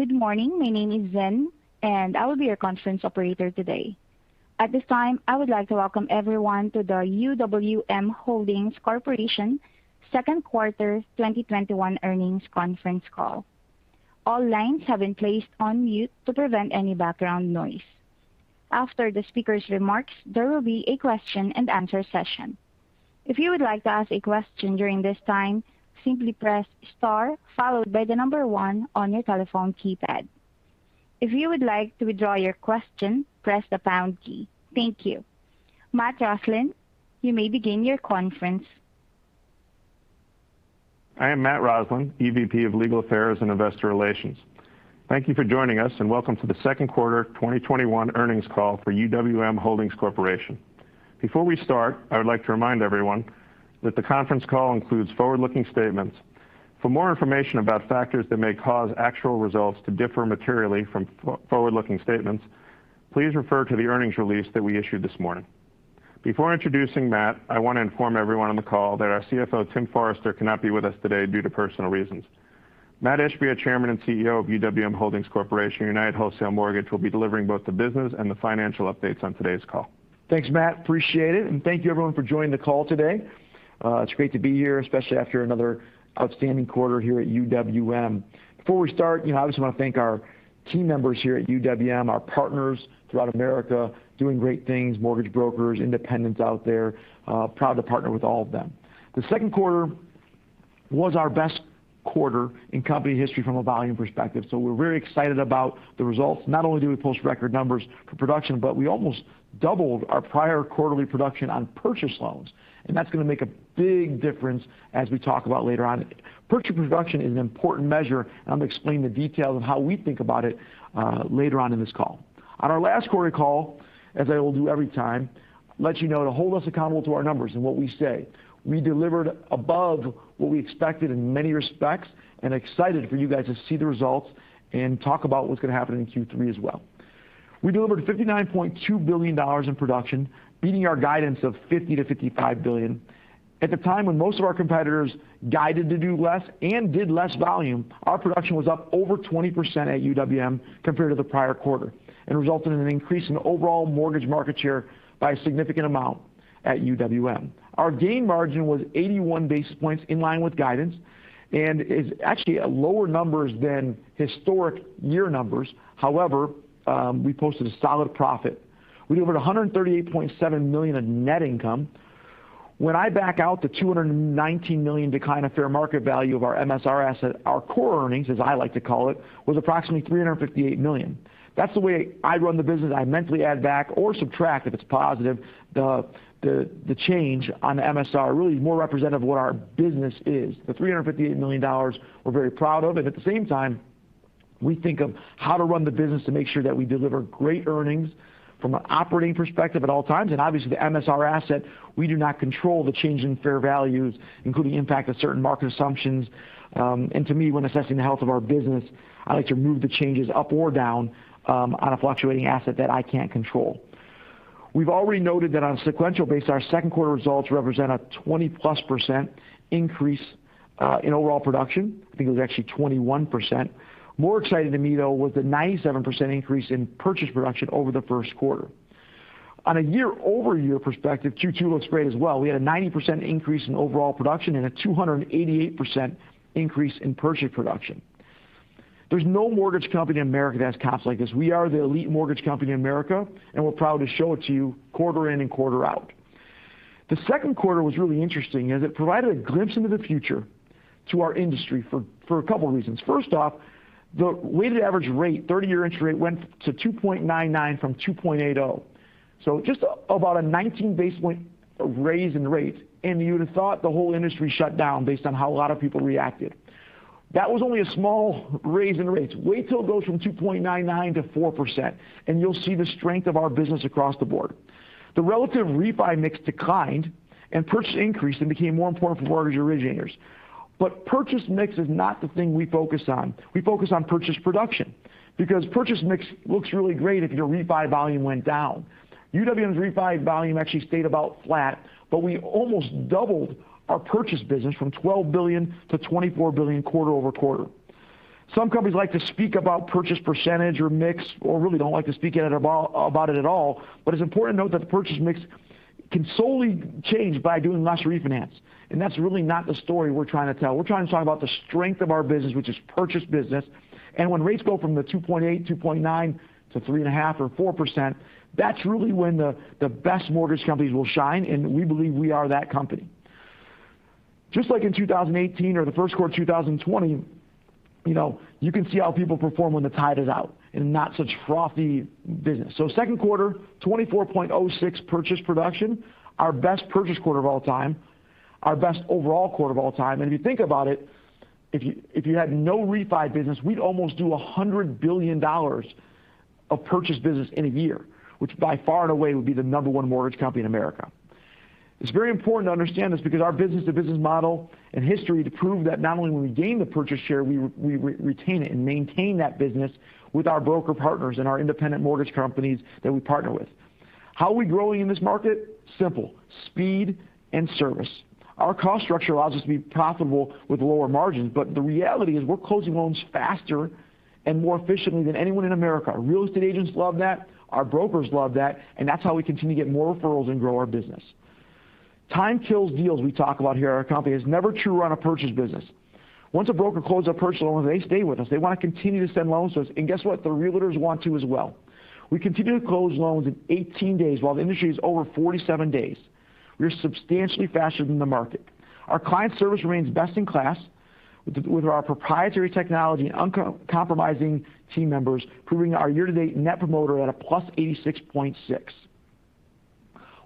Good morning. My name is Zen, and I will be your conference operator today. At this time, I would like to welcome everyone to the UWM Holdings Corporation second quarter 2021 earnings conference call. All lines have been placed on mute to prevent any background noise. After the speaker's remarks, there will be a question and answer session. If you would like to ask a question during this time, simply press star followed by the number one on your telephone keypad. If you would like to withdraw your question, press the pound key. Thank you. Matt Roslin, you may begin your conference. I am Matt Roslin, Executive Vice President of Legal Affairs and Investor Relations. Thank you for joining us, and welcome to the second quarter 2021 earnings call for UWM Holdings Corporation. Before we start, I would like to remind everyone that the conference call includes forward-looking statements. For more information about factors that may cause actual results to differ materially from forward-looking statements, please refer to the earnings release that we issued this morning. Before introducing Mat, I want to inform everyone on the call that our Chief Financial Officer, Timothy Forrester, cannot be with us today due to personal reasons. Mat Ishbia, Chairman and Chief Executive Officer of UWM Holdings Corporation, United Wholesale Mortgage, will be delivering both the business and the financial updates on today's call. Thanks, Mat. Appreciate it. Thank you everyone for joining the call today. It's great to be here, especially after another outstanding quarter here at UWM. Before we start, I obviously want to thank our team members here at UWM, our partners throughout America doing great things, mortgage brokers, independents out there. Proud to partner with all of them. The second quarter was our best quarter in company history from a volume perspective. We're very excited about the results. Not only do we post record numbers for production, but we almost doubled our prior quarterly production on purchase loans. That's going to make a big difference as we talk about later on. Purchase production is an important measure, and I'm going to explain the details of how we think about it later on in this call. On our last quarter call, as I will do every time, let you know to hold us accountable to our numbers and what we say. We delivered above what we expected in many respects, and excited for you guys to see the results and talk about what's going to happen in Q3 as well. We delivered $59.2 billion in production, beating our guidance of $50 billion-$55 billion. At the time when most of our competitors guided to do less and did less volume, our production was up over 20% at UWM compared to the prior quarter and resulted in an increase in overall mortgage market share by a significant amount at UWM. Our gain margin was 81 basis points in line with guidance and is actually a lower numbers than historic year numbers. However, we posted a solid profit. We delivered $138.7 million of net income. When I back out the $219 million decline of fair market value of our Mortgage Servicing Right asset, our core earnings, as I like to call it, was approximately $358 million. That's the way I run the business. I mentally add back or subtract, if it's positive, the change on the MSR, really more representative of what our business is. The $358 million we're very proud of, and at the same time, we think of how to run the business to make sure that we deliver great earnings from an operating perspective at all times. Obviously the MSR asset, we do not control the change in fair values, including the impact of certain market assumptions. To me, when assessing the health of our business, I like to move the changes up or down on a fluctuating asset that I can't control. We've already noted that on a sequential basis, our second quarter results represent a 20+% increase in overall production. I think it was actually 21%. More exciting to me, though, was the 97% increase in purchase production over the first quarter. On a year-over-year perspective, Q2 looks great as well. We had a 90% increase in overall production and a 288% increase in purchase production. There's no mortgage company in America that has comps like this. We are the elite mortgage company in America, and we're proud to show it to you quarter in and quarter out. The second quarter was really interesting, as it provided a glimpse into the future to our industry for a couple of reasons. First off, the weighted average rate, 30-year interest rate, went to 2.99 from 2.80. Just about a 19 basis point raise in rates, and you would've thought the whole industry shut down based on how a lot of people reacted. That was only a small raise in rates. Wait till it goes from 2.99 to 4%, and you'll see the strength of our business across the board. The relative refi mix declined and purchase increased and became more important for mortgage originators. Purchase mix is not the thing we focus on. We focus on purchase production because purchase mix looks really great if your refi volume went down. UWM's refi volume actually stayed about flat, but we almost doubled our purchase business from $12 billion-$24 billion quarter-over-quarter. Some companies like to speak about purchase percentage or mix, or really don't like to speak about it at all, but it's important to note that the purchase mix can solely change by doing less refinance, that's really not the story we're trying to tell. We're trying to talk about the strength of our business, which is purchase business. When rates go from the 2.8%, 2.9%-3.5% or 4%, that's really when the best mortgage companies will shine, we believe we are that company. Just like in 2018 or the first quarter of 2020, you can see how people perform when the tide is out in not such frothy business. Second quarter, $24.06 purchase production, our best purchase quarter of all time, our best overall quarter of all time. If you think about it, if you had no refi business, we'd almost do $100 billion of purchase business in a year, which by far and away would be the number one mortgage company in America. It's very important to understand this because our business-to-business model and history to prove that not only when we gain the purchase share, we retain it and maintain that business with our broker partners and our independent mortgage companies that we partner with. How are we growing in this market? Simple. Speed and service. Our cost structure allows us to be profitable with lower margins, but the reality is we're closing loans faster and more efficiently than anyone in America. Our real estate agents love that, our brokers love that, and that's how we continue to get more referrals and grow our business. Time kills deals. We talk a lot here at our company. It's never true on a purchase business. Once a broker closes a purchase loan, they stay with us. They want to continue to send loans to us. Guess what? The realtors want to as well. We continue to close loans in 18 days, while the industry is over 47 days. We are substantially faster than the market. Our client service remains best in class with our proprietary technology and uncompromising team members, proving our year-to-date net promoter at a +86.6.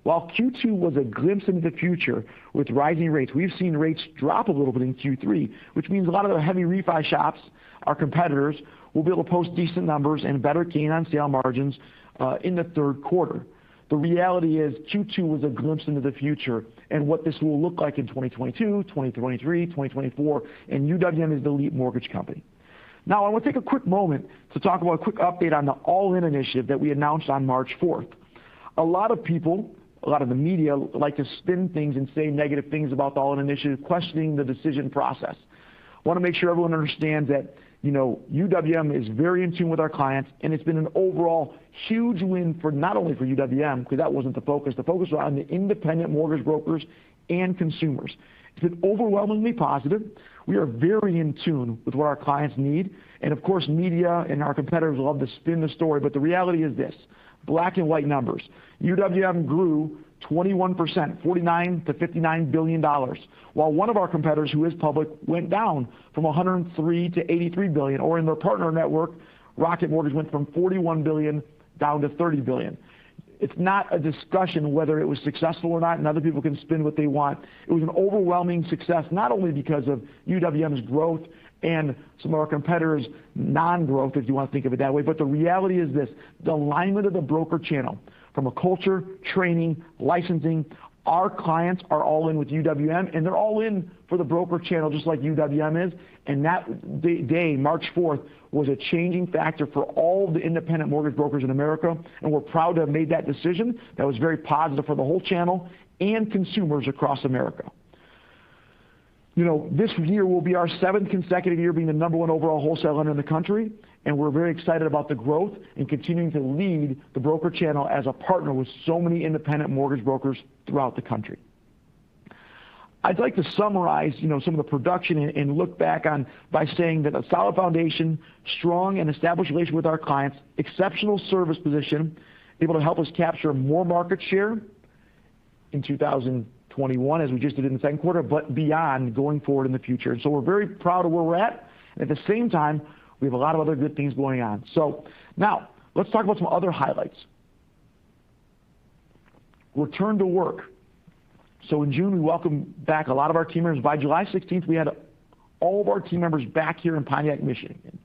While Q2 was a glimpse into the future with rising rates, we've seen rates drop a little bit in Q3, which means a lot of the heavy refi shops, our competitors, will be able to post decent numbers and better gain on sale margins in the third quarter. The reality is Q2 was a glimpse into the future and what this will look like in 2022, 2023, 2024. UWM is the lead mortgage company. Now, I want to take a quick moment to talk about a quick update on the All-In initiative that we announced on March 4th. A lot of people, a lot of the media like to spin things and say negative things about the All-In initiative, questioning the decision process. I want to make sure everyone understands that UWM is very in tune with our clients. It's been an overall huge win for not only for UWM, because that wasn't the focus. The focus was on the independent mortgage brokers and consumers. It's been overwhelmingly positive. We are very in tune with what our clients need. Of course, media and our competitors love to spin the story. The reality is this, black and white numbers. UWM grew 21%, $49 billion-$59 billion, while one of our competitors, who is public, went down from $103 billion-$83 billion. In their partner network, Rocket Mortgage went from $41 billion down to $30 billion. It's not a discussion whether it was successful or not, and other people can spin what they want. It was an overwhelming success not only because of UWM's growth and some of our competitors' non-growth, if you want to think of it that way, but the reality is this. The alignment of the broker channel from a culture, training, licensing, our clients are all in with UWM, and they're all in for the broker channel just like UWM is. That day, March 4th, was a changing factor for all the independent mortgage brokers in America, and we're proud to have made that decision. That was very positive for the whole channel and consumers across America. This year will be our seventh consecutive year being the number one overall wholesaler in the country, and we're very excited about the growth and continuing to lead the broker channel as a partner with so many independent mortgage brokers throughout the country. I'd like to summarize some of the production and look back on by saying that a solid foundation, strong and established relation with our clients, exceptional service position, able to help us capture more market share in 2021, as we just did in the second quarter, but beyond, going forward in the future. We're very proud of where we're at. At the same time, we have a lot of other good things going on. Now, let's talk about some other highlights. Return to work. In June, we welcomed back a lot of our team members. By July 16th, we had all of our team members back here in Pontiac, Michigan.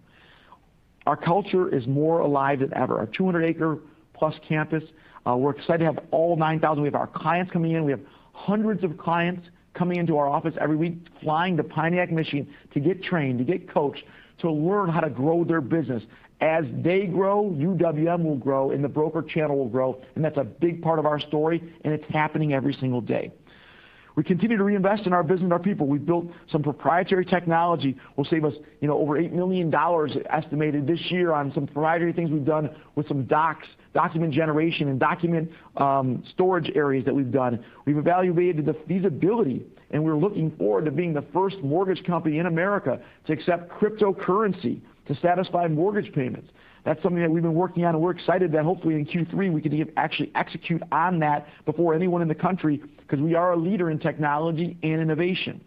Our culture is more alive than ever. Our 200-acre-plus campus, we're excited to have all 9,000. We have our clients coming in. We have hundreds of clients coming into our office every week, flying to Pontiac, Michigan, to get trained, to get coached, to learn how to grow their business. As they grow, UWM will grow, and the broker channel will grow, and that's a big part of our story, and it's happening every single day. We continue to reinvest in our business and our people. We've built some proprietary technology will save us over $8 million estimated this year on some proprietary things we've done with some document generation and document storage areas that we've done. We've evaluated the feasibility, and we're looking forward to being the first mortgage company in America to accept cryptocurrency to satisfy mortgage payments. That's something that we've been working on, and we're excited that hopefully in Q3, we could actually execute on that before anyone in the country because we are a leader in technology and innovation.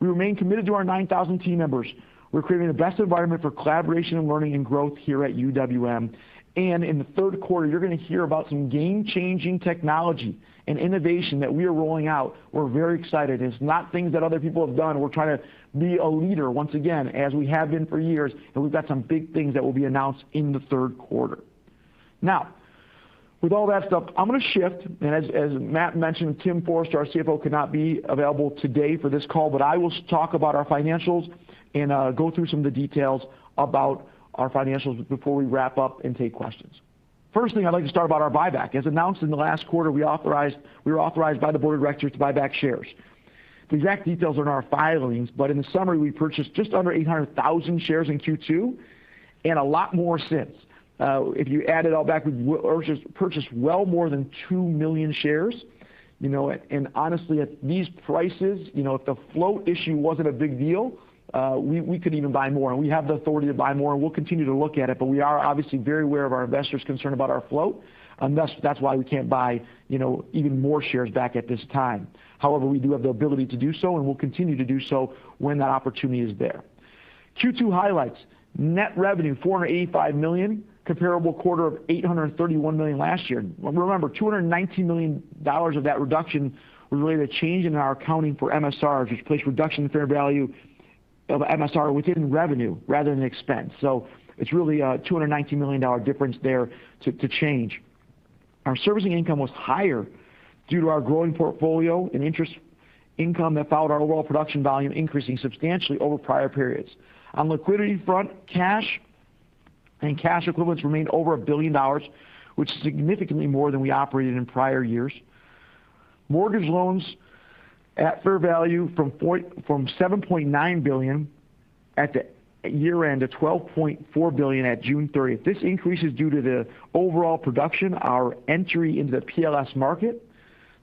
We remain committed to our 9,000 team members. We're creating the best environment for collaboration and learning and growth here at UWM. In the third quarter, you're going to hear about some game-changing technology and innovation that we are rolling out. We're very excited. It's not things that other people have done. We're trying to be a leader once again, as we have been for years, and we've got some big things that will be announced in the third quarter. Now, with all that stuff, I'm going to shift. As Mat mentioned, Tim Forrester, our CFO, could not be available today for this call, but I will talk about our financials and go through some of the details about our financials before we wrap up and take questions. First thing I'd like to start about our buyback. As announced in the last quarter, we were authorized by the board of directors to buy back shares. The exact details are in our filings, but in the summary, we purchased just under 800,000 shares in Q2, and a lot more since. If you add it all back, we purchased well more than 2 million shares. Honestly, at these prices, if the float issue wasn't a big deal, we could even buy more, and we have the authority to buy more, and we'll continue to look at it. We are obviously very aware of our investors' concern about our float, and that's why we can't buy even more shares back at this time. However, we do have the ability to do so, and we'll continue to do so when that opportunity is there. Q2 highlights. Net revenue $485 million, comparable quarter of $831 million last year. Remember, $219 million of that reduction was related to change in our accounting for Mortgage Servicing Rights, which placed reduction in fair value of MSR within revenue rather than expense. It's really a $219 million difference there to change. Our servicing income was higher due to our growing portfolio and interest income that followed our overall production volume increasing substantially over prior periods. On liquidity front, cash and cash equivalents remained over $1 billion, which is significantly more than we operated in prior years. Mortgage loans at fair value from $7.9 billion at the year-end to $12.4 billion at June 30th. This increase is due to the overall production, our entry into the Private-Label Securitization market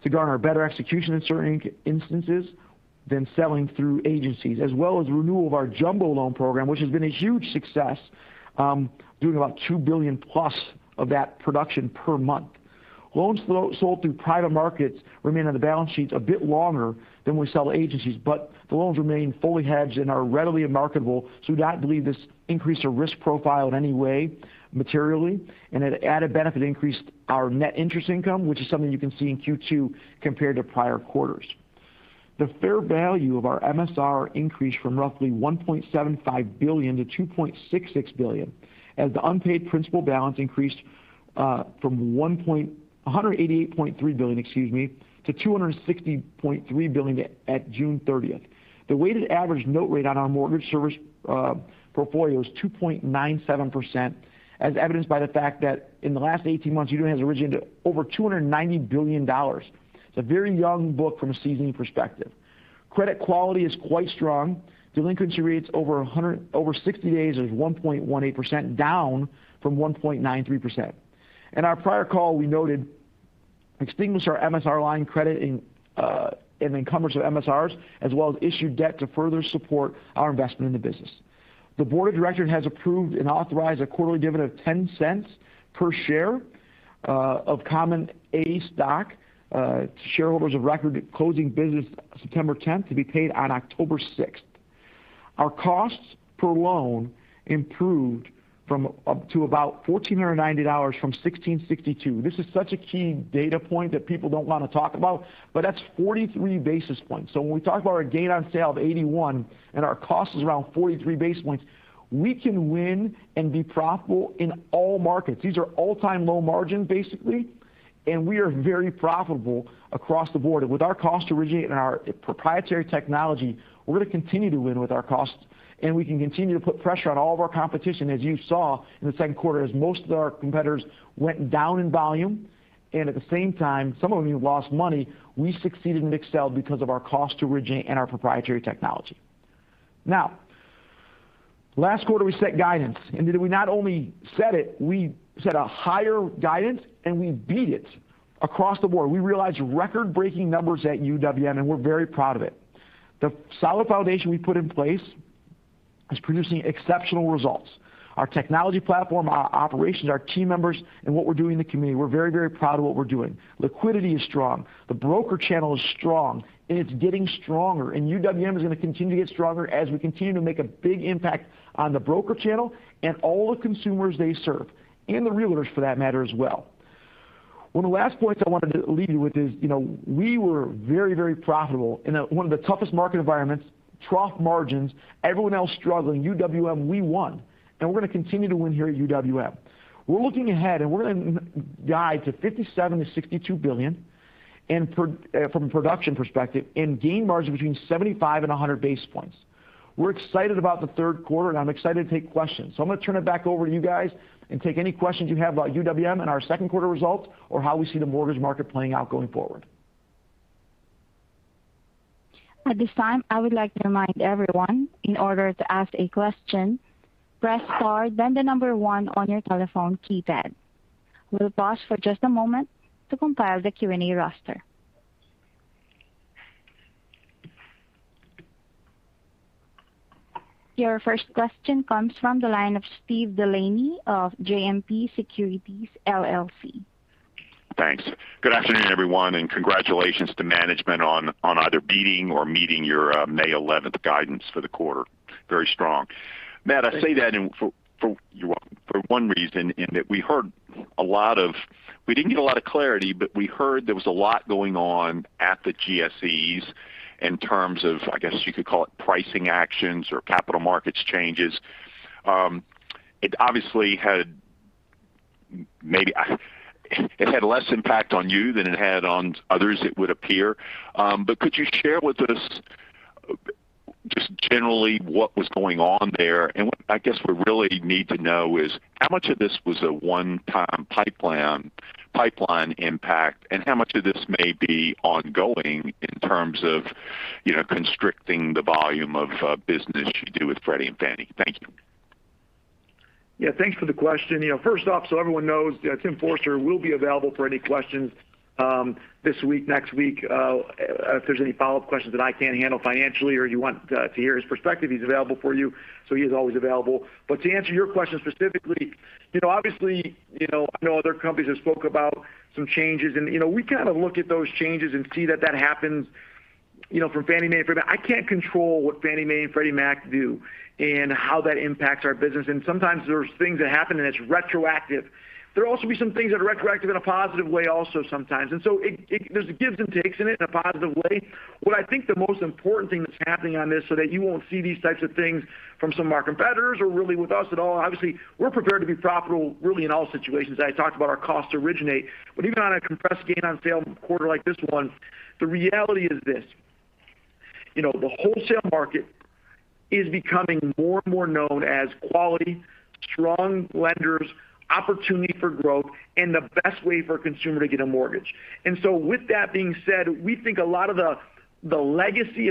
to garner better execution in certain instances than selling through agencies, as well as renewal of our jumbo loan program, which has been a huge success, doing about $2 billion plus of that production per month. Loans sold through private markets remain on the balance sheets a bit longer than we sell to agencies, but the loans remain fully hedged and are readily marketable, so we do not believe this increased our risk profile in any way materially. An added benefit increased our net interest income, which is something you can see in Q2 compared to prior quarters. The fair value of our MSR increased from roughly $1.75 billion-$2.66 billion as the unpaid principal balance increased from $188.3 billion-$260.3 billion at June 30th. The weighted average note rate on our mortgage service portfolio is 2.97%, as evidenced by the fact that in the last 18 months, UWM has originated over $290 billion. It's a very young book from a seasoning perspective. Credit quality is quite strong. Delinquency rates over 60 days is 1.18%, down from 1.93%. In our prior call, we noted, extinguished our MSR line of credit and encumbrance of MSRs, as well as issued debt to further support our investment in the business. The board of directors has approved and authorized a quarterly dividend of $0.10 per share of common A stock to shareholders of record at closing business September 10th to be paid on October 6th. Our costs per loan improved to about $1,490 from $1,662. This is such a key data point that people don't want to talk about, but that's 43 basis points. When we talk about our gain on sale of 81 and our cost is around 43 basis points, we can win and be profitable in all markets. These are all-time low margin, basically, and we are very profitable across the board. With our cost to originate and our proprietary technology, we're going to continue to win with our costs, and we can continue to put pressure on all of our competition, as you saw in the second quarter, as most of our competitors went down in volume. At the same time, some of them even lost money. We succeeded and excelled because of our cost to originate and our proprietary technology. Last quarter, we set guidance, and we not only set it, we set a higher guidance, and we beat it across the board. We realized record-breaking numbers at UWM, and we're very proud of it. The solid foundation we put in place is producing exceptional results. Our technology platform, our operations, our team members, and what we're doing in the community, we're very, very proud of what we're doing. Liquidity is strong. The broker channel is strong, and it's getting stronger. UWM is going to continue to get stronger as we continue to make a big impact on the broker channel and all the consumers they serve, and the realtors for that matter as well. One of the last points I wanted to leave you with is we were very, very profitable in one of the toughest market environments, trough margins, everyone else struggling. UWM, we won, and we're going to continue to win here at UWM. We're looking ahead, and we're going to guide to $57 billion-$62 billion from a production perspective and gain margins between 75 and 100 basis points. We're excited about the third quarter, and I'm excited to take questions. I'm going to turn it back over to you guys and take any questions you have about UWM and our second quarter results or how we see the mortgage market playing out going forward. At this time, I would like to remind everyone, in order to ask a question, press star then the number one on your telephone keypad. We'll pause for just a moment to compile the Q&A roster. Your first question comes from the line of Steve DeLaney of JMP Securities. Thanks. Good afternoon, everyone. Congratulations to management on either beating or meeting your May 11th guidance for the quarter. Very strong. Mat, I say that for one reason, in that we heard a lot of, we didn't get a lot of clarity, but we heard there was a lot going on at the Government-Sponsored Enterprises in terms of, I guess, you could call it pricing actions or capital markets changes. It obviously had less impact on you than it had on others, it would appear. Could you share with us just generally what was going on there? I guess what we really need to know is how much of this was a one-time pipeline impact and how much of this may be ongoing in terms of constricting the volume of business you do with Freddie and Fannie? Thank you. Thanks for the question. First off, everyone knows, Tim Forrester will be available for any questions this week, next week. If there's any follow-up questions that I can't handle financially or you want to hear his perspective, he's available for you. He is always available. To answer your question specifically, obviously, I know other companies have spoke about some changes, we kind of look at those changes and see that that happens from Fannie Mae and Freddie Mac. I can't control what Fannie Mae and Freddie Mac do and how that impacts our business, sometimes there's things that happen, and it's retroactive. There will also be some things that are retroactive in a positive way also sometimes. There's gives and takes in it in a positive way. What I think the most important thing that's happening on this so that you won't see these types of things from some of our competitors or really with us at all. Obviously, we're prepared to be profitable really in all situations. I talked about our cost to originate. Even on a compressed gain on sale quarter like this one, the reality is this. The wholesale market is becoming more and more known as quality, strong lenders, opportunity for growth, and the best way for a consumer to get a mortgage. With that being said, we think a lot of the legacy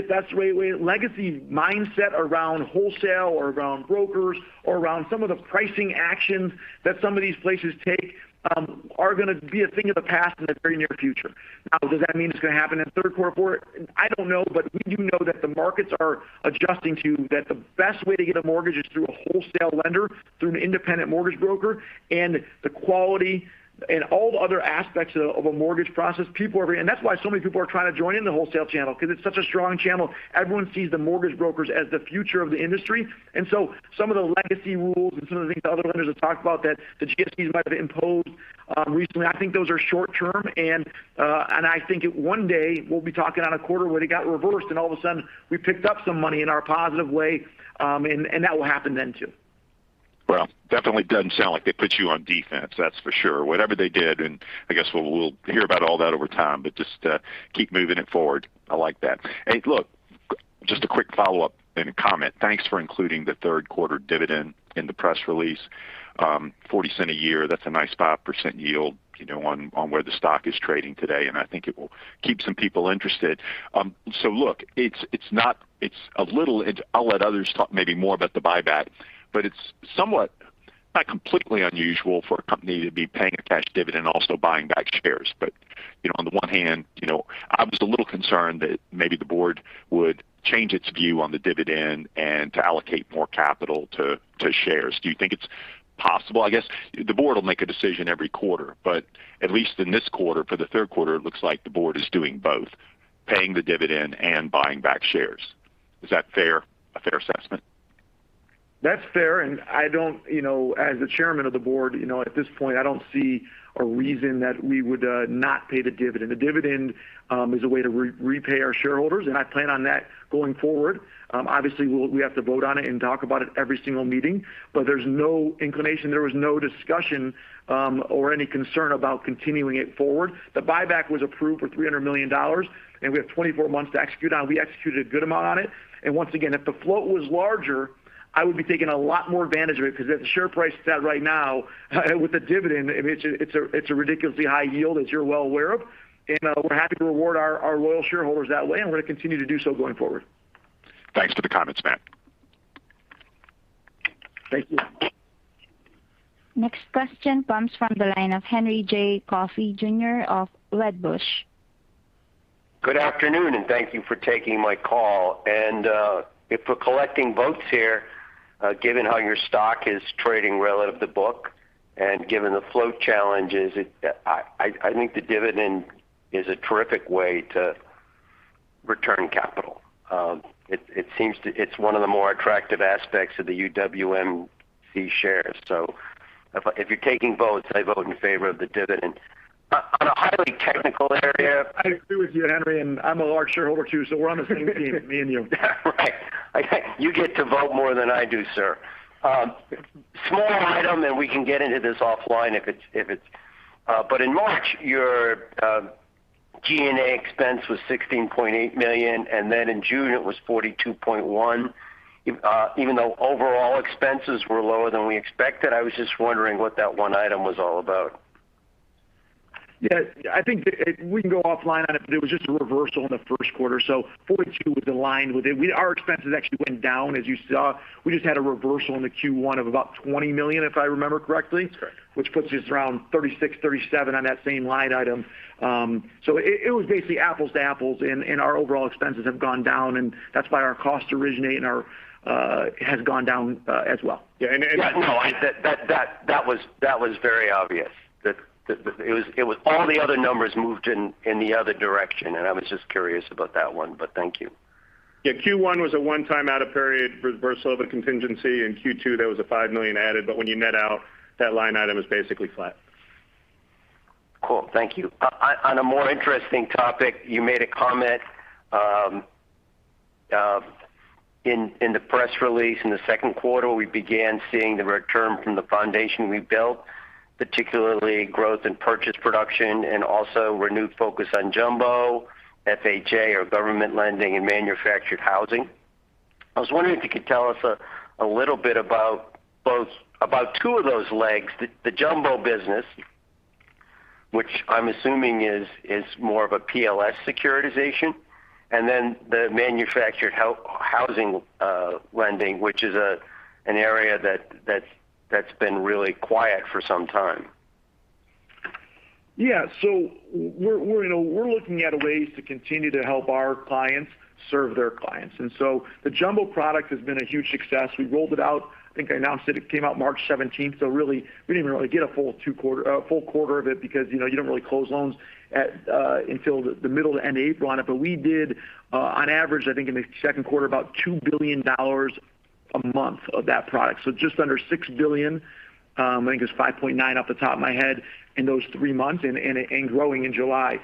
mindset around wholesale or around brokers or around some of the pricing actions that some of these places take, are going to be a thing of the past in the very near future. Now, does that mean it's going to happen in the third quarter, fourth? I don't know, but we do know that the markets are adjusting to, that the best way to get a mortgage is through a wholesale lender, through an independent mortgage broker, and the quality and all the other aspects of a mortgage process. That's why so many people are trying to join in the wholesale channel because it's such a strong channel. Everyone sees the mortgage brokers as the future of the industry. Some of the legacy rules and some of the things other lenders have talked about that the GSEs might have imposed recently, I think those are short-term, and I think one day we'll be talking on a quarter where they got reversed, and all of a sudden we picked up some money in our positive way, and that will happen then too. Well, definitely doesn't sound like they put you on defense, that's for sure. Whatever they did, and I guess we'll hear about all that over time, but just keep moving it forward. I like that. Hey, look, just a quick follow-up and a comment. Thanks for including the 3rd quarter dividend in the press release. $0.40 a year, that's a nice 5% yield on where the stock is trading today, and I think it will keep some people interested. Look, I'll let others talk maybe more about the buyback, but it's somewhat, not completely unusual for a company to be paying a cash dividend and also buying back shares. On the one hand, I was a little concerned that maybe the board would change its view on the dividend and to allocate more capital to shares. Do you think it's possible? I guess the board will make a decision every quarter, but at least in this quarter, for the third quarter, it looks like the board is doing both, paying the dividend and buying back shares. Is that a fair assessment? That's fair. As the chairman of the board, at this point, I don't see a reason that we would not pay the dividend. The dividend is a way to repay our shareholders. I plan on that going forward. Obviously, we have to vote on it and talk about it every single meeting. There's no inclination, there was no discussion or any concern about continuing it forward. The buyback was approved for $300 million. We have 24 months to execute on. We executed a good amount on it. Once again, if the float was larger, I would be taking a lot more advantage of it because at the share price it's at right now, with the dividend, it's a ridiculously high yield, as you're well aware of. We're happy to reward our loyal shareholders that way, and we're going to continue to do so going forward. Thanks for the comments, Mat. Thank you. Next question comes from the line of Henry J. Coffey, Jr. of Wedbush. Good afternoon, and thank you for taking my call. If we're collecting votes here, given how your stock is trading relative to book and given the float challenges, I think the dividend is a terrific way to return capital. It's one of the more attractive aspects of the UWMC shares. If you're taking votes, I vote in favor of the dividend. I agree with you, Henry. I'm a large shareholder too. We're on the same team, me and you. Right. You get to vote more than I do, sir. Small item, we can get into this offline. In March, your G&A expense was $16.8 million, in June it was $42.1 million. Even though overall expenses were lower than we expected, I was just wondering what that one item was all about. I think we can go offline on it. It was just a reversal in the first quarter. $42 million was aligned with it. Our expenses actually went down, as you saw. We just had a reversal in the Q1 of about $20 million, if I remember correctly. That's correct. Which puts us around $36 million, $37 million on that same line item. It was basically apples to apples, and our overall expenses have gone down, and that's why our costs to originate has gone down as well. Right. No, that was very obvious. All the other numbers moved in the other direction, and I was just curious about that one, but thank you. Q1 was a one-time out of period reversal of a contingency, and Q2, there was a $5 million added. When you net out, that line item is basically flat. Cool. Thank you. On a more interesting topic, you made a comment in the press release. In the second quarter, we began seeing the return from the foundation we built, particularly growth in purchase production and also renewed focus on jumbo, Federal Housing Administration or government lending and manufactured housing. I was wondering if you could tell us a little bit about two of those legs. The jumbo business, which I'm assuming is more of a Private-Label Securitization securitization, and then the manufactured housing lending, which is an area that's been really quiet for some time. Yeah. We're looking at ways to continue to help our clients serve their clients. The jumbo product has been a huge success. We rolled it out, I think I announced it came out March 17th. Really, we didn't really get a full quarter of it because you don't really close loans until the middle to end of April on it. We did on average, I think in the second quarter, about $2 billion a month of that product. Just under $6 billion. I think it's $5.9 off the top of my head in those three months, and growing in July.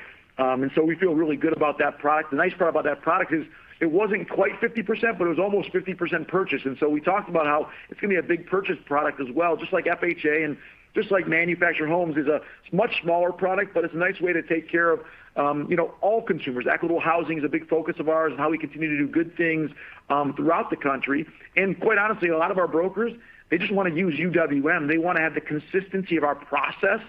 We feel really good about that product. The nice part about that product is it wasn't quite 50%, but it was almost 50% purchase. We talked about how it's going to be a big purchase product as well, just like FHA and just like manufactured homes. It's a much smaller product, it's a nice way to take care of all consumers. Equitable housing is a big focus of ours, how we continue to do good things throughout the country. Quite honestly, a lot of our brokers, they just want to use UWM. They want to have the consistency of our process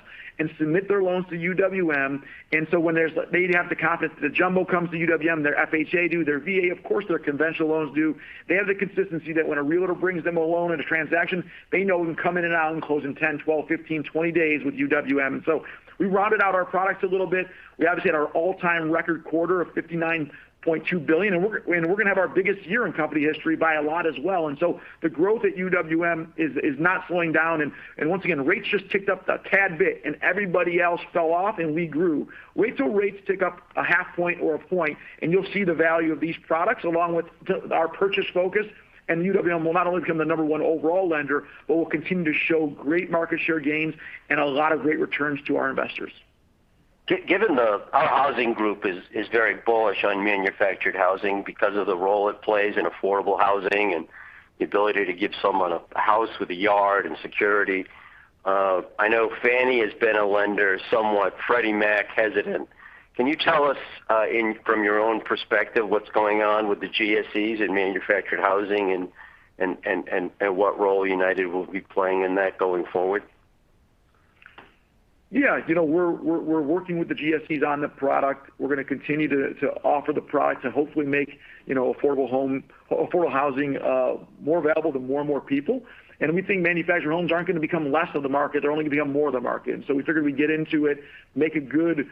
and submit their loans to UWM. They'd have the confidence. The jumbo comes to UWM, their FHA do, their VA, of course, their conventional loans do. They have the consistency that when a realtor brings them a loan and a transaction, they know we can come in and out and close in 10 days, 12 days, 15 days, 20 days with UWM. We rounded out our products a little bit. We obviously had our all-time record quarter of $59.2 billion, and we're going to have our biggest year in company history by a lot as well. The growth at UWM is not slowing down, and once again, rates just ticked up a tad bit, and everybody else fell off, and we grew. Wait till rates tick up a half point or 1 point, and you'll see the value of these products, along with our purchase focus, and UWM will not only become the number one overall lender, but we'll continue to show great market share gains and a lot of great returns to our investors. Given our housing group is very bullish on manufactured housing because of the role it plays in affordable housing and the ability to give someone a house with a yard and security. I know Fannie has been a lender, somewhat Freddie Mac hesitant. Can you tell us from your own perspective, what's going on with the GSEs and manufactured housing and what role United will be playing in that going forward? Yeah. We're working with the GSEs on the product. We're going to continue to offer the product to hopefully make affordable housing more available to more and more people. We think manufactured homes aren't going to become less of the market. They're only going to become more of the market. We figured we'd get into it, make good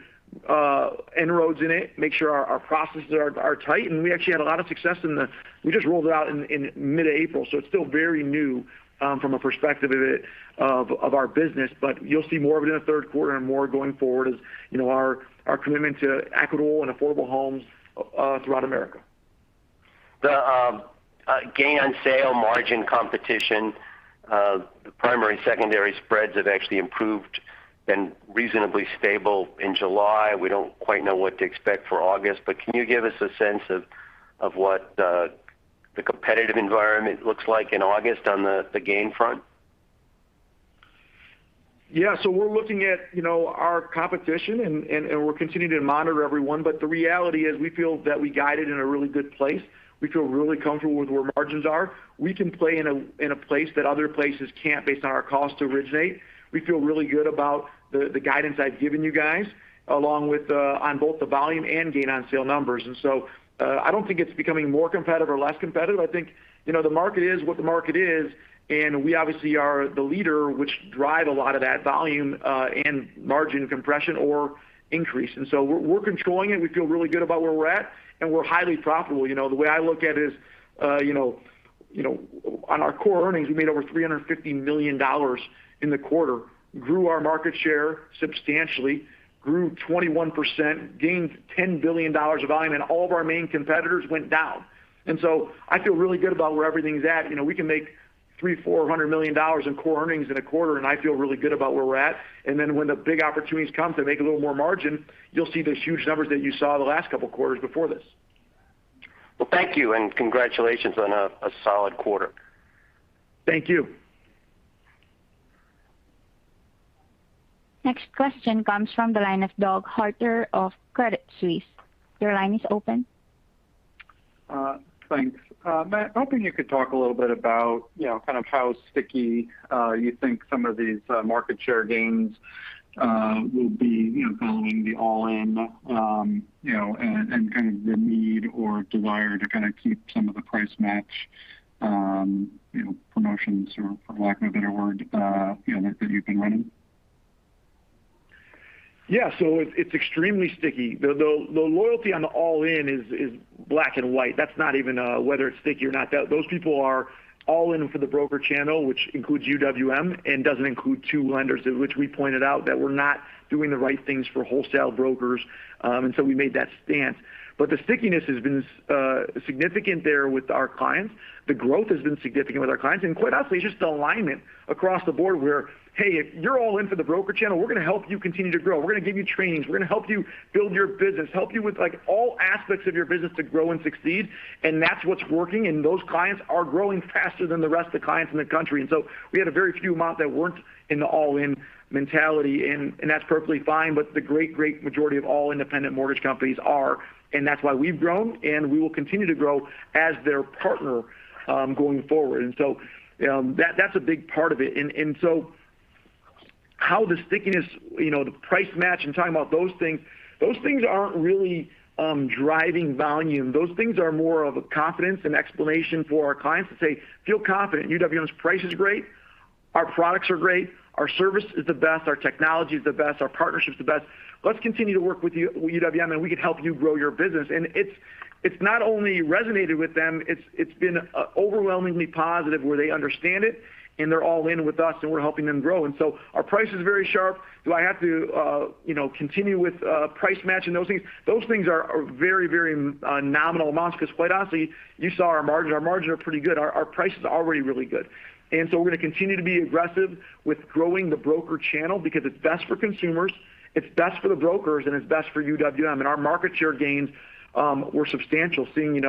inroads in it, make sure our processes are tight. We actually had a lot of success. We just rolled it out in mid-April, so it's still very new from a perspective of our business. You'll see more of it in the third quarter and more going forward as our commitment to equitable and affordable homes throughout America. The gain on sale margin competition. The primary and secondary spreads have actually improved and reasonably stable in July. We don't quite know what to expect for August. Can you give us a sense of what the competitive environment looks like in August on the gain front? We're looking at our competition, and we're continuing to monitor everyone. The reality is we feel that we guided in a really good place. We feel really comfortable with where margins are. We can play in a place that other places can't based on our cost to originate. We feel really good about the guidance I've given you guys on both the volume and gain on sale numbers. I don't think it's becoming more competitive or less competitive. I think the market is what the market is, and we obviously are the leader, which drive a lot of that volume and margin compression or increase. We're controlling it. We feel really good about where we're at, and we're highly profitable. The way I look at it is on our core earnings, we made over $350 million in the quarter, grew our market share substantially, grew 21%, gained $10 billion of volume, and all of our main competitors went down. I feel really good about where everything's at. We can make $300 million-$400 million in core earnings in a quarter, I feel really good about where we're at. When the big opportunities come to make a little more margin, you'll see those huge numbers that you saw the last couple of quarters before this. Well, thank you, and congratulations on a solid quarter. Thank you. Next question comes from the line of Doug Harter of Credit Suisse. Your line is open. Thanks. Mat, hoping you could talk a little bit about kind of how sticky you think some of these market share gains will be following the All-In, and kind of the need or desire to kind of keep some of the price match promotions, for lack of a better word, that you've been running. It's extremely sticky. The loyalty on the All-In is black and white. That's not even whether it's sticky or not. Those people are All-In for the broker channel, which includes UWM and doesn't include two lenders, of which we pointed out that were not doing the right things for wholesale brokers, we made that stance. The stickiness has been significant there with our clients. The growth has been significant with our clients. Quite honestly, just alignment across the board where, "Hey, if you're All-In for the broker channel, we're going to help you continue to grow. We're going to give you trainings. We're going to help you build your business, help you with all aspects of your business to grow and succeed." That's what's working, and those clients are growing faster than the rest of the clients in the country. We had a very few amount that weren't in the All-In mentality, and that's perfectly fine. The great majority of all independent mortgage companies are, and that's why we've grown, and we will continue to grow as their partner going forward. That's a big part of it. How the stickiness, the price match, I'm talking about those things. Those things aren't really driving volume. Those things are more of a confidence, an explanation for our clients to say, "Feel confident. UWM's price is great." Our products are great, our service is the best, our technology is the best, our partnership's the best. Let's continue to work with UWM, and we can help you grow your business. It's not only resonated with them, it's been overwhelmingly positive where they understand it, and they're All-In with us, and we're helping them grow. Our price is very sharp. Do I have to continue with price matching, those things? Those things are very nominal amounts because quite honestly, you saw our margin. Our margin are pretty good. Our price is already really good. We're going to continue to be aggressive with growing the broker channel because it's best for consumers, it's best for the brokers, and it's best for UWM. Our market share gains were substantial seeing,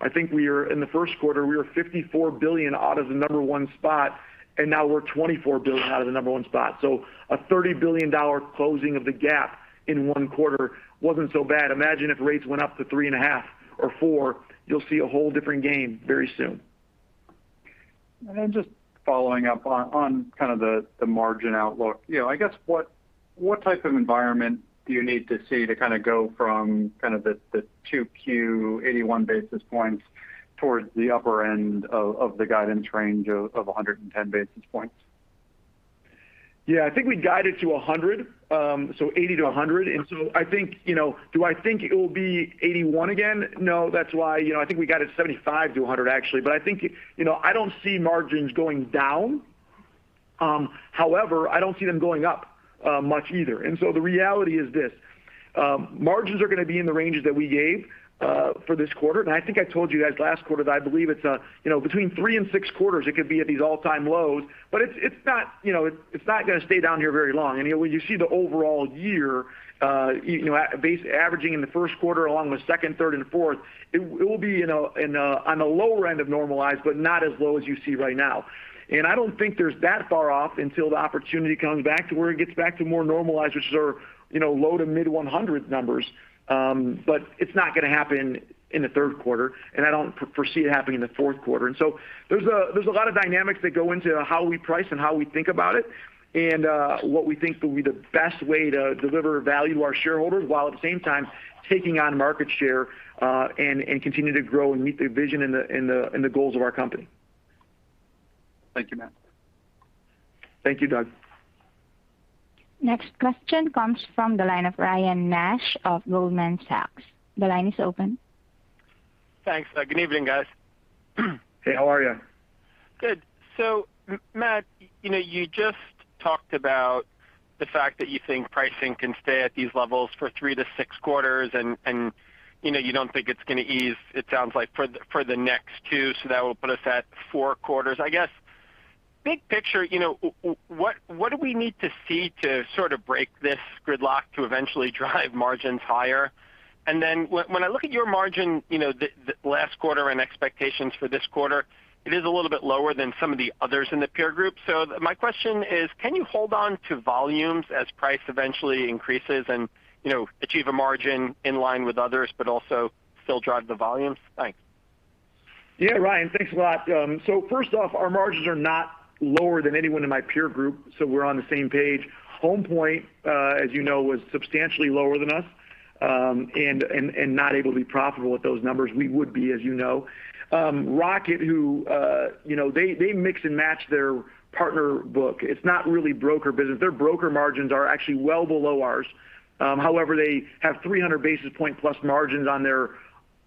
I think in the first quarter, we were $54 billion out of the number one spot, and now we're $24 billion out of the number one spot. A $30 billion closing of the gap in one quarter wasn't so bad. Imagine if rates went up to 3.5% or 4%. You'll see a whole different game very soon. Just following up on kind of the margin outlook. I guess what type of environment do you need to see to kind of go from kind of the 2Q 81 basis points towards the upper end of the guidance range of 110 basis points? Yeah, I think we guided to 100 basis points, so 80-100 basis points. Do I think it will be 81 basis points again? No. That's why I think we guided 75-100 basis points actually. I don't see margins going down. However, I don't see them going up much either. The reality is this, margins are going to be in the ranges that we gave for this quarter. I think I told you guys last quarter that I believe between three and six quarters it could be at these all-time lows, but it's not going to stay down here very long. When you see the overall year averaging in the first quarter along with second, third, and fourth, it will be on the lower end of normalized, but not as low as you see right now. I don't think there's that far off until the opportunity comes back to where it gets back to more normalized, which is our low to mid 100 numbers. It's not going to happen in the third quarter, and I don't foresee it happening in the fourth quarter. There's a lot of dynamics that go into how we price and how we think about it and what we think will be the best way to deliver value to our shareholders while at the same time taking on market share, and continue to grow and meet the vision and the goals of our company. Thank you, Mat. Thank you, Doug. Next question comes from the line of Ryan Nash of Goldman Sachs. The line is open. Thanks. Good evening, guys. Hey, how are you? Good. Mat, you just talked about the fact that you think pricing can stay at these levels for three to six quarters, and you don't think it's going to ease, it sounds like, for the next two. That will put us at four quarters. I guess, big picture, what do we need to see to sort of break this gridlock to eventually drive margins higher? When I look at your margin, the last quarter and expectations for this quarter, it is a little bit lower than some of the others in the peer group. My question is, can you hold on to volumes as price eventually increases and achieve a margin in line with others but also still drive the volumes? Thanks. Yeah, Ryan, thanks a lot. First off, our margins are not lower than anyone in my peer group, so we're on the same page. Homepoint, as you know, was substantially lower than us, and not able to be profitable at those numbers. We would be, as you know. Rocket, they mix and match their partner book. It's not really broker business. Their broker margins are actually well below ours. However, they have 300 basis point plus margins on their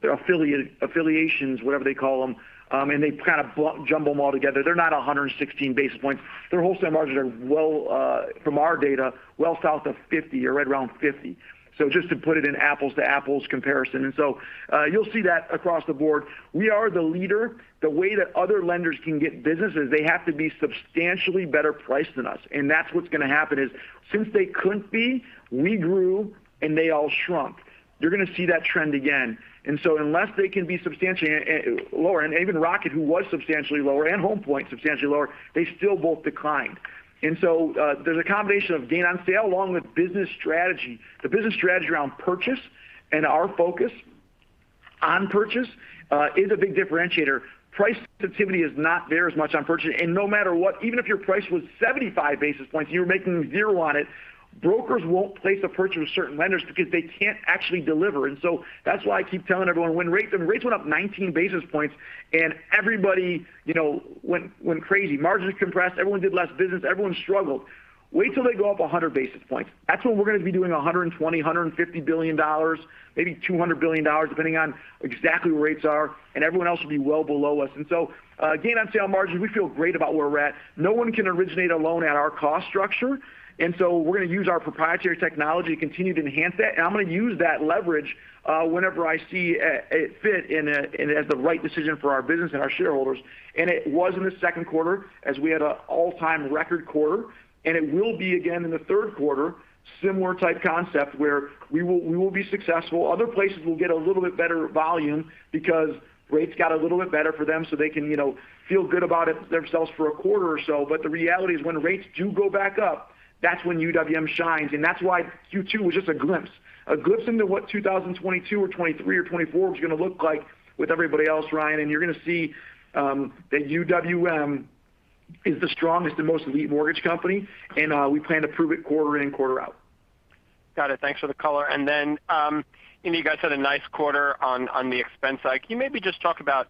affiliations, whatever they call them. They kind of jumble them all together. They're not 116 basis points. Their wholesale margins are, from our data, well south of 50 basis point, or right around 50 basis point. Just to put it in apples to apples comparison. You'll see that across the board. We are the leader. The way that other lenders can get business is they have to be substantially better priced than us. That's what's going to happen is since they couldn't be, we grew, and they all shrunk. You're going to see that trend again. Unless they can be substantially lower, and even Rocket, who was substantially lower, and Homepoint, substantially lower, they still both declined. There's a combination of gain on sale along with business strategy. The business strategy around purchase and our focus on purchase is a big differentiator. Price sensitivity is not there as much on purchase. No matter what, even if your price was 75 basis points and you were making zero on it, brokers won't place a purchase with certain lenders because they can't actually deliver. That's why I keep telling everyone when rates went up 19 basis points and everybody went crazy. Margins compressed, everyone did less business, everyone struggled. Wait till they go up 100 basis points. That's when we're going to be doing $120 billion, $150 billion, maybe $200 billion, depending on exactly where rates are, and everyone else will be well below us. Gain on sale margin, we feel great about where we're at. No one can originate a loan at our cost structure. We're going to use our proprietary technology to continue to enhance that. I'm going to use that leverage whenever I see it fit and as the right decision for our business and our shareholders. It was in the second quarter as we had an all-time record quarter. It will be again in the third quarter, similar type concept where we will be successful. Other places will get a little bit better volume because rates got a little bit better for them so they can feel good about themselves for a quarter or so. The reality is when rates do go back up, that's when UWM shines. That's why Q2 was just a glimpse. A glimpse into what 2022 or 2023 or 2024 was going to look like with everybody else, Ryan. You're going to see that UWM is the strongest and most elite mortgage company. We plan to prove it quarter in, quarter out. Got it. Thanks for the color. You guys had a nice quarter on the expense side. Can you maybe just talk about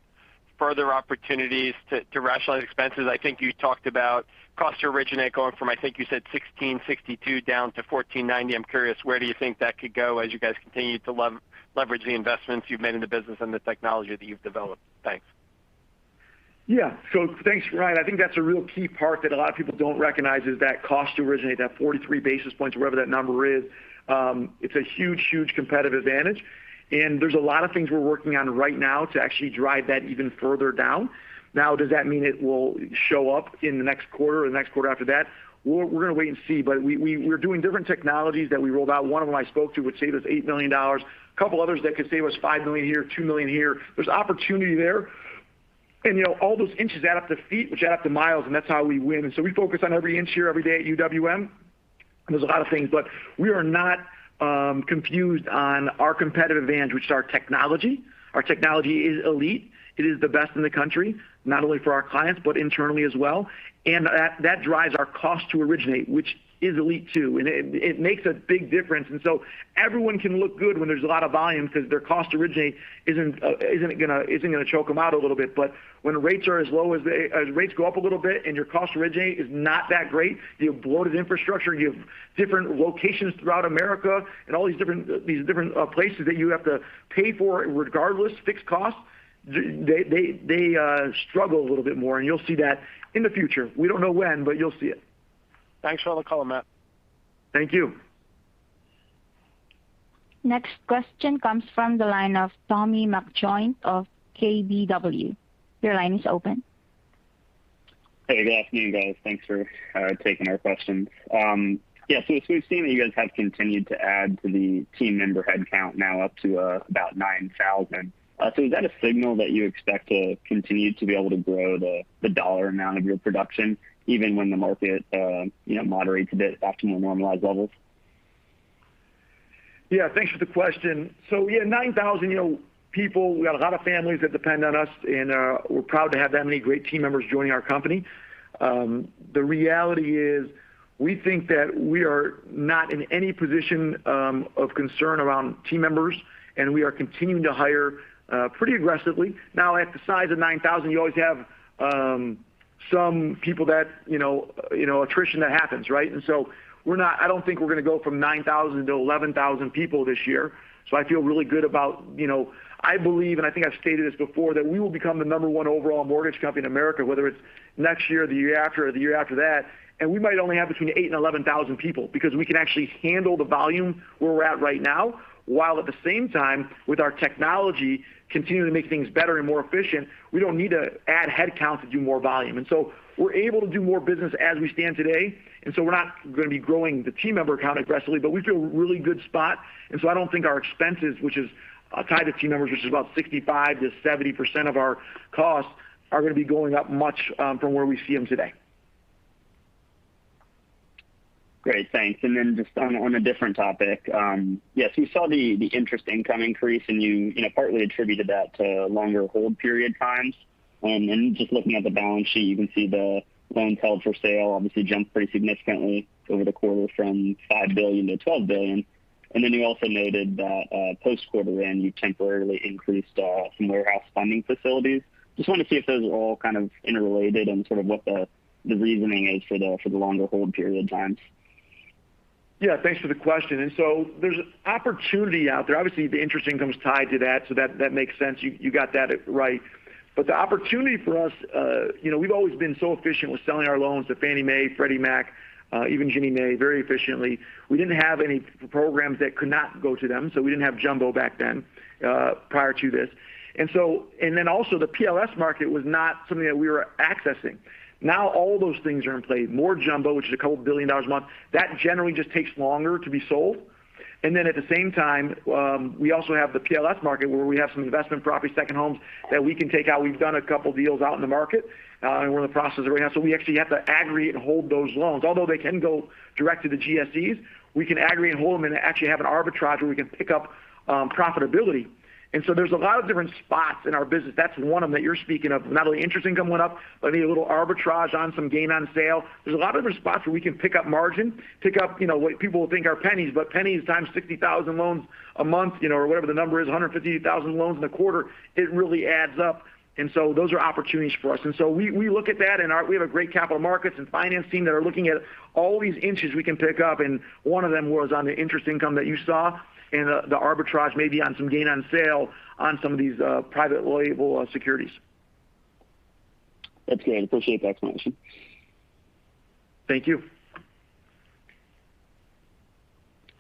further opportunities to rationalize expenses? I think you talked about cost to originate going from, I think you said 1662 down to 1490. I'm curious, where do you think that could go as you guys continue to leverage the investments you've made in the business and the technology that you've developed? Thanks. Thanks, Ryan. I think that's a real key part that a lot of people don't recognize is that cost to originate, that 43 basis points, or whatever that number is. It's a huge competitive advantage, there's a lot of things we're working on right now to actually drive that even further down. Does that mean it will show up in the next quarter or the next quarter after that? We're going to wait and see. We're doing different technologies that we rolled out. One of them I spoke to would save us $8 million. A couple others that could save us $5 million a year, $2 million a year. There's opportunity there, all those inches add up to feet, which add up to miles, that's how we win. We focus on every inch here every day at UWM, and there's a lot of things. We are not confused on our competitive advantage, which is our technology. Our technology is elite. It is the best in the country, not only for our clients, but internally as well. That drives our cost to originate, which is elite too, and it makes a big difference. Everyone can look good when there's a lot of volume because their cost to originate isn't going to choke them out a little bit. When rates go up a little bit and your cost to originate is not that great, you have bloated infrastructure, you have different locations throughout America and all these different places that you have to pay for regardless, fixed costs, they struggle a little bit more, and you'll see that in the future. We don't know when, you'll see it. Thanks for all the color, Mat. Thank you. Next question comes from the line of Tommy McJoynt of KBW. Your line is open. Hey, good afternoon, guys. Thanks for taking our question. We've seen that you guys have continued to add to the team member headcount now up to about 9,000. Is that a signal that you expect to continue to be able to grow the dollar amount of your production even when the market moderates a bit back to more normalized levels? Yeah, thanks for the question. We have 9,000 people. We got a lot of families that depend on us, and we're proud to have that many great team members joining our company. The reality is we think that we are not in any position of concern around team members, and we are continuing to hire pretty aggressively. Now at the size of 9,000, you always have some people that attrition that happens, right? I don't think we're going to go from 9,000-11,000 people this year. I feel really good about I believe, and I think I've stated this before, that we will become the number one overall mortgage company in America, whether it's next year or the year after or the year after that. We might only have between 8,000 and 11,000 people because we can actually handle the volume where we're at right now, while at the same time with our technology continuing to make things better and more efficient, we don't need to add headcount to do more volume. We're able to do more business as we stand today, we're not going to be growing the team member count aggressively, but we feel really good spot. I don't think our expenses, which is tied to team members, which is about 65%-70% of our costs, are going to be going up much from where we see them today. Great, thanks. Just on a different topic. Yes, we saw the interest income increase, and you partly attributed that to longer hold period times. Just looking at the balance sheet, you can see the loans held for sale obviously jumped pretty significantly over the quarter from $5 billion-$12 billion. You also noted that post-quarter end, you temporarily increased some warehouse funding facilities. Just want to see if those are all kind of interrelated and sort of what the reasoning is for the longer hold period times. Yeah, thanks for the question. There's opportunity out there. Obviously, the interest income's tied to that, so that makes sense. You got that right. The opportunity for us, we've always been so efficient with selling our loans to Fannie Mae, Freddie Mac, even Ginnie Mae very efficiently. We didn't have any programs that could not go to them, so we didn't have jumbo back then, prior to this. Also the PLS market was not something that we were accessing. Now all those things are in play. More jumbo, which is a couple of billion dollars a month. That generally just takes longer to be sold. At the same time, we also have the PLS market where we have some investment property, second homes that we can take out. We've done a couple deals out in the market, and we're in the process right now. We actually have to aggregate and hold those loans. Although they can go direct to the GSEs, we can aggregate and hold them and actually have an arbitrage where we can pick up profitability. There's a lot of different spots in our business. That's one of them that you're speaking of. Not only interest income went up, but maybe a little arbitrage on some gain on sale. There's a lot of different spots where we can pick up margin, pick up what people think are pennies, but pennies times 60,000 loans a month or whatever the number is, 150,000 loans in a quarter, it really adds up. Those are opportunities for us. We look at that and we have a great capital markets and finance team that are looking at all these inches we can pick up, and one of them was on the interest income that you saw and the arbitrage maybe on some gain on sale on some of these private label securities. That's great. Appreciate that clarification. Thank you.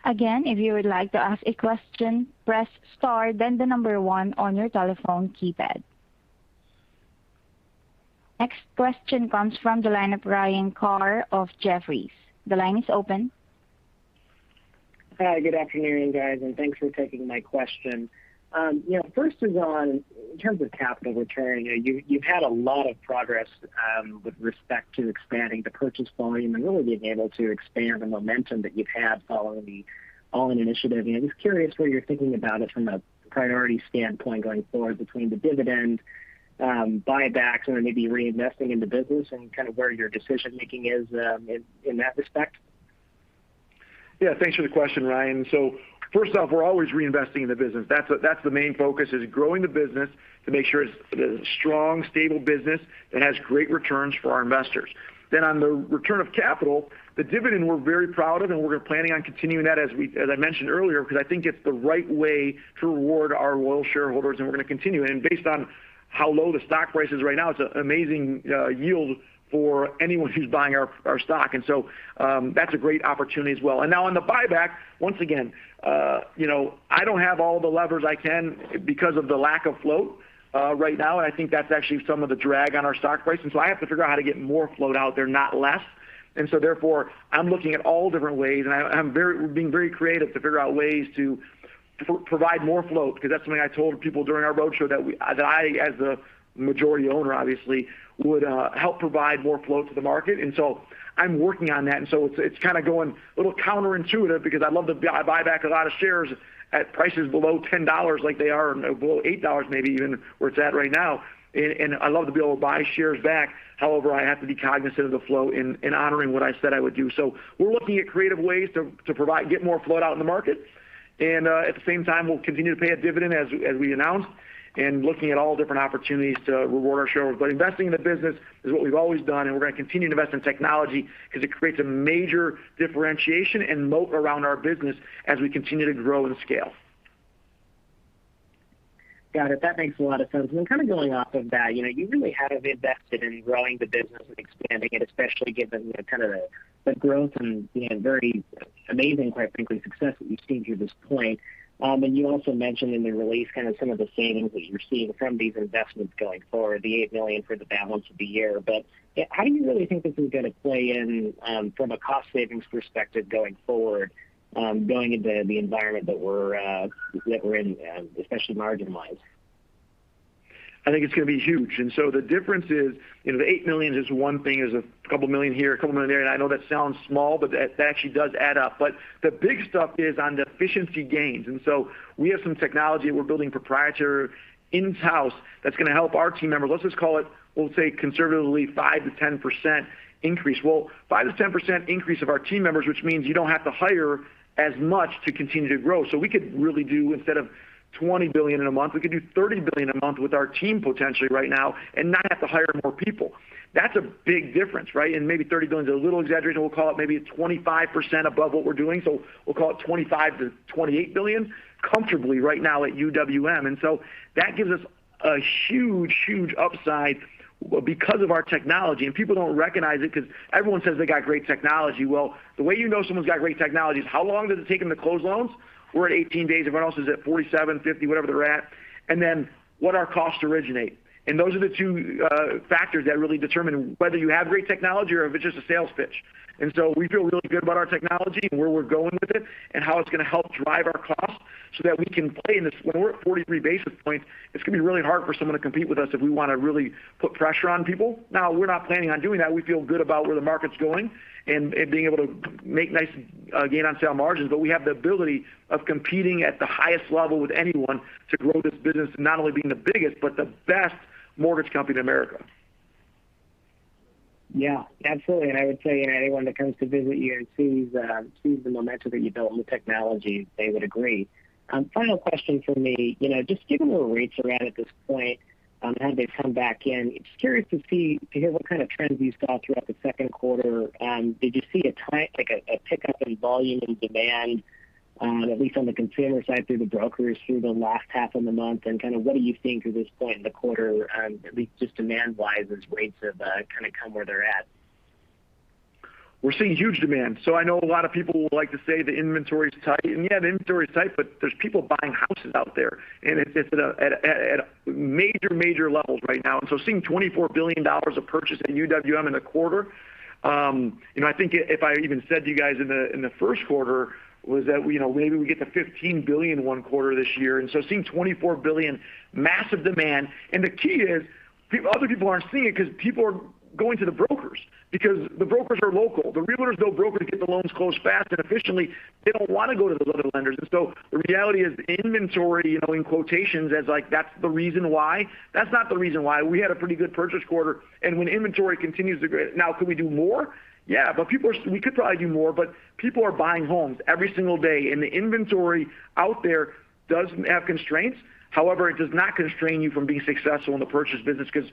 Again, if you would like to ask a question, press star then one on your telephone keypad. Next question comes from the line of Ryan Carr of Jefferies. The line is open. Hi, good afternoon, guys, and thanks for taking my question. First is on in terms of capital return. You've had a lot of progress with respect to expanding the purchase volume and really being able to expand the momentum that you've had following the All-In initiative, and I'm just curious what you're thinking about it from a priority standpoint going forward between the dividend Buybacks and maybe reinvesting in the business and kind of where your decision-making is in that respect? Yeah. Thanks for the question, Ryan. First off, we're always reinvesting in the business. That's the main focus is growing the business to make sure it is a strong, stable business that has great returns for our investors. On the return of capital, the dividend we're very proud of, and we're planning on continuing that as I mentioned earlier, because I think it's the right way to reward our loyal shareholders, and we're going to continue. Based on how low the stock price is right now, it's an amazing yield for anyone who's buying our stock. That's a great opportunity as well. Now on the buyback, once again, I don't have all the levers I can because of the lack of float right now, and I think that's actually some of the drag on our stock price. I have to figure out how to get more float out there, not less. Therefore, I'm looking at all different ways, and I'm being very creative to figure out ways to provide more float because that's something I told people during our roadshow that I, as the majority owner, obviously, would help provide more float to the market. I'm working on that, and so it's kind of going a little counterintuitive because I'd love to buy back a lot of shares at prices below $10 like they are, and below $8 maybe even where it's at right now. I'd love to be able to buy shares back. However, I have to be cognizant of the flow in honoring what I said I would do. We're looking at creative ways to get more float out in the market. At the same time, we'll continue to pay a dividend as we announced and looking at all different opportunities to reward our shareholders. Investing in the business is what we've always done, and we're going to continue to invest in technology because it creates a major differentiation and moat around our business as we continue to grow and scale. Got it. That makes a lot of sense. Kind of going off of that, you really have invested in growing the business and expanding it, especially given the kind of the growth and very amazing, quite frankly, success that you've seen through this point. You also mentioned in the release kind of some of the savings that you're seeing from these investments going forward, the $8 million for the balance of the year. How do you really think this is going to play in, from a cost savings perspective going forward, going into the environment that we're in, especially margin-wise? I think it's going to be huge. The difference is, the $8 million is one thing, is a couple million here, a couple million there, and I know that sounds small, but that actually does add up. The big stuff is on the efficiency gains. We have some technology that we're building proprietary in-house that's going to help our team members. Let's just call it, we'll say conservatively 5%-10% increase. 5%-10% increase of our team members, which means you don't have to hire as much to continue to grow. We could really do, instead of $20 billion in a month, we could do $30 billion a month with our team potentially right now and not have to hire more people. That's a big difference, right? Maybe $30 billion is a little exaggerated. We'll call it maybe a 25% above what we're doing. We'll call it $25 billion-$28 billion comfortably right now at UWM. That gives us a huge upside because of our technology. People don't recognize it because everyone says they got great technology. Well, the way you know someone's got great technology is how long does it take them to close loans? We're at 18 days. Everyone else is at 47, 50, whatever they're at. Then what our costs to originate. Those are the two factors that really determine whether you have great technology or if it's just a sales pitch. We feel really good about our technology and where we're going with it and how it's going to help drive our costs so that we can play in this. When we're at 43 basis points, it's going to be really hard for someone to compete with us if we want to really put pressure on people. Now, we're not planning on doing that. We feel good about where the market's going and being able to make nice gain on sale margins. We have the ability of competing at the highest level with anyone to grow this business, not only being the biggest, but the best mortgage company in America. Yeah, absolutely. I would say anyone that comes to visit you and sees the momentum that you built on the technology, they would agree. Final question from me. Just given where rates are at at this point, how they've come back in, just curious to hear what kind of trends you saw throughout the second quarter. Did you see a pickup in volume and demand, at least on the consumer side through the brokers through the last half of the month? Kind of what are you seeing through this point in the quarter, at least just demand-wise as rates have kind of come where they're at? I know a lot of people like to say the inventory's tight, and yeah, the inventory's tight, but there's people buying houses out there, and it's at major levels right now. Seeing $24 billion of purchase at UWM in a quarter, I think if I even said to you guys in the first quarter was that maybe we get to $15 billion one quarter this year. Seeing $24 billion, massive demand, and the key is other people aren't seeing it because people are going to the brokers because the brokers are local. The realtors know brokers get the loans closed fast and efficiently. They don't want to go to the other lenders. The reality is "inventory," in quotations as like that's the reason why, that's not the reason why. We had a pretty good purchase quarter. When inventory continues to grow. Now, could we do more? We could probably do more, but people are buying homes every single day, and the inventory out there does have constraints. However, it does not constrain you from being successful in the purchase business because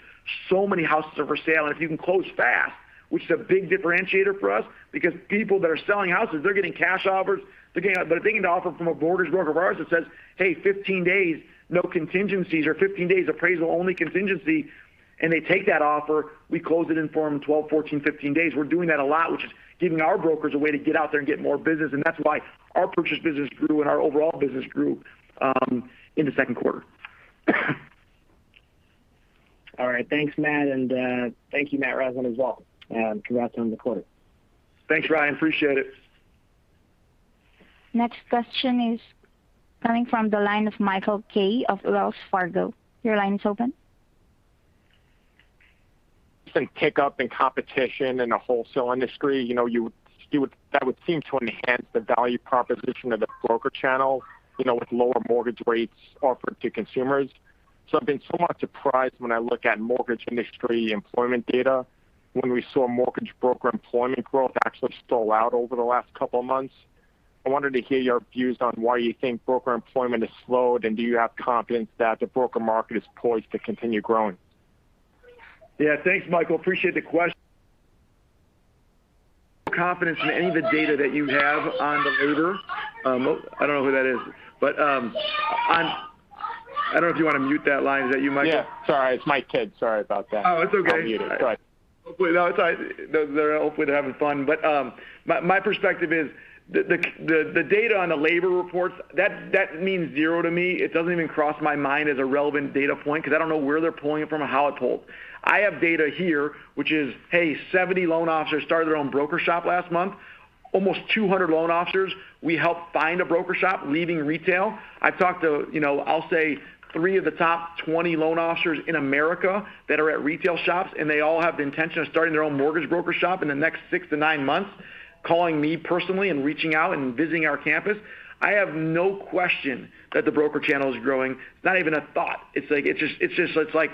so many houses are for sale. If you can close fast, which is a big differentiator for us because people that are selling houses, they're getting cash offers. They're getting the offer from a Borders broker of ours that says, "Hey, 15 days, no contingencies," or, "15 days appraisal only contingency." They take that offer. We close it and form 12 days, 14 days, 15 days. We're doing that a lot, which is giving our brokers a way to get out there and get more business, and that's why our purchase business grew, and our overall business grew in the second quarter. All right. Thanks, Mat. Thank you, Matt Roslin, as well. Congrats on the quarter. Thanks, Ryan. Appreciate it. Next question is coming from the line of Michael Kaye of Wells Fargo. Your line is open. Some pick up in competition in the wholesale industry, that would seem to enhance the value proposition of the broker channel, with lower mortgage rates offered to consumers. I've been somewhat surprised when I look at mortgage industry employment data, when we saw mortgage broker employment growth actually stall out over the last couple of months. I wanted to hear your views on why you think broker employment has slowed, and do you have confidence that the broker market is poised to continue growing? Yeah. Thanks, Michael. Appreciate the question. Confidence in any of the data that you have on the labor. I don't know who that is. I don't know if you want to mute that line. Is that you, Michael? Yeah. Sorry, it's my kid. Sorry about that. Oh, it's okay. I'll mute it. Go ahead. No, it's all right. Hopefully they're having fun. My perspective is, the data on the labor reports, that means zero to me. It doesn't even cross my mind as a relevant data point because I don't know where they're pulling it from or how it's pulled. I have data here, which is, hey, 70 loan officers started their own broker shop last month. Almost 200 loan officers, we helped find a broker shop, leaving retail. I've talked to I'll say three of the top 20 loan officers in America that are at retail shops, and they all have the intention of starting their own mortgage broker shop in the next six to nine months, calling me personally and reaching out and visiting our campus. I have no question that the broker channel is growing. It's not even a thought. It's like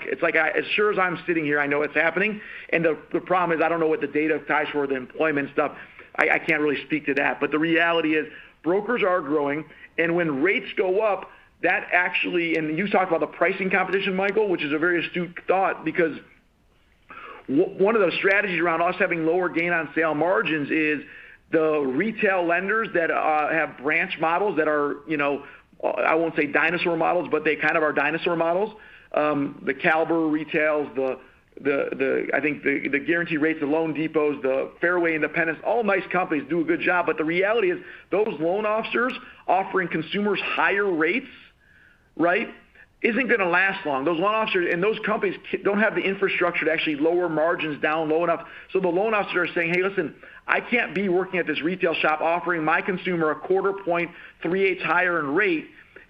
as sure as I'm sitting here, I know it's happening. The problem is, I don't know what the data ties for the employment stuff. I can't really speak to that. The reality is, brokers are growing, and when rates go up, that actually and you talked about the pricing competition, Michael, which is a very astute thought, because one of the strategies around us having lower gain on sale margins is the retail lenders that have branch models that are, I won't say dinosaur models, but they kind of are dinosaur models. The Caliber Home Loans, I think, the Guaranteed Rate, the loanDepot, the Fairway Independents, all nice companies, do a good job. The reality is, those loan officers offering consumers higher rates isn't going to last long. Those loan officers and those companies don't have the infrastructure to actually lower margins down low enough. The loan officers are saying, Hey, listen, I can't be working at this retail shop offering my consumer a quarter point, three-eighths higher in rate,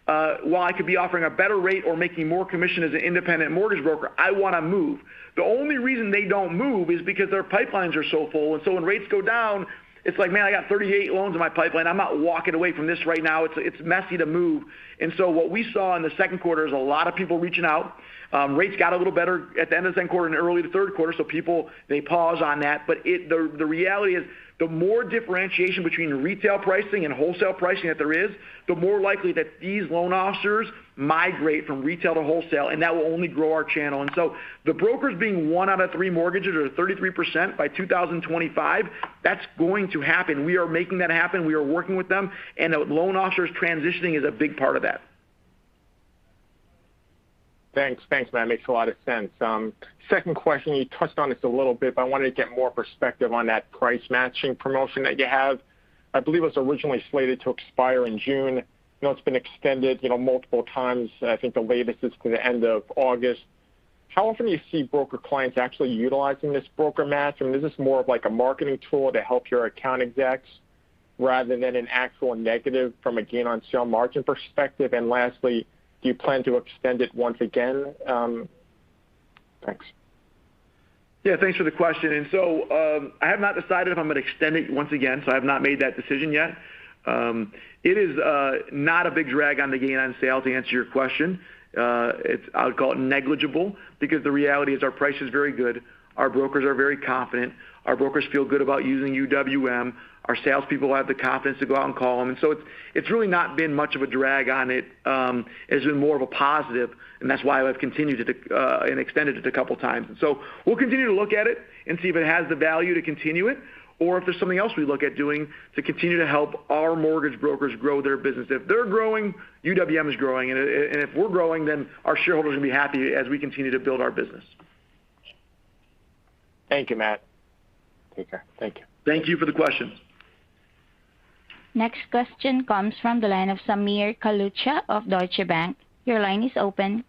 while I could be offering a better rate or making more commission as an independent mortgage broker. I want to move. The only reason they don't move is because their pipelines are so full. When rates go down, it's like, Man, I got 38 loans in my pipeline. I'm not walking away from this right now. It's messy to move. What we saw in the second quarter is a lot of people reaching out. Rates got a little better at the end of the second quarter and early to third quarter, so people, they pause on that. The reality is, the more differentiation between retail pricing and wholesale pricing that there is, the more likely that these loan officers migrate from retail to wholesale, and that will only grow our channel. The brokers being one out of three mortgages, or 33%, by 2025, that's going to happen. We are making that happen. We are working with them, and the loan officers transitioning is a big part of that. Thanks, man. Makes a lot of sense. Second question, you touched on this a little bit, but I wanted to get more perspective on that price-matching promotion that you have. I believe it was originally slated to expire in June. It's been extended multiple times. I think the latest is to the end of August. How often do you see broker clients actually utilizing this broker match? Is this more of like a marketing tool to help your account execs rather than an actual negative from a gain-on-sale margin perspective? Lastly, do you plan to extend it once again? Thanks. Yeah, thanks for the question. I have not decided if I'm going to extend it once again, so I have not made that decision yet. It is not a big drag on the gain on sale, to answer your question. I would call it negligible because the reality is our price is very good. Our brokers are very confident. Our brokers feel good about using UWM. Our salespeople have the confidence to go out and call them. It's really not been much of a drag on it. It's been more of a positive, and that's why we've continued it and extended it a couple of times. We'll continue to look at it and see if it has the value to continue it, or if there's something else we look at doing to continue to help our mortgage brokers grow their business. If they're growing, UWM is growing. If we're growing, then our shareholders will be happy as we continue to build our business. Thank you, Mat. Take care. Thank you. Thank you for the question. Next question comes from the line of Ashish Sabadra of Deutsche Bank. Your line is open.